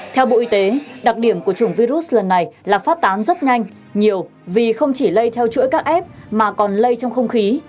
theo bộ y tế đặc điểm của chủng virus lần này là phát tán rất nhanh nhiều vì không chỉ lây theo chuỗi các f mà còn lây trong không khí